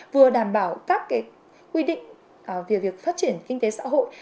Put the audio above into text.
vừa đảm bảo các quy định về việc phát triển kinh tế xã hội